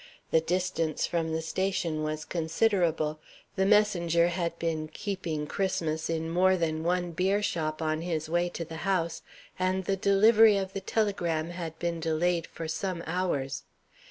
The distance from the station was considerable; the messenger had been "keeping Christmas" in more than one beer shop on his way to the house; and the delivery of the telegram had been delayed for some hours.